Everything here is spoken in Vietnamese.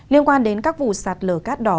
liên quan đến các vụ sạt lờ cát đỏ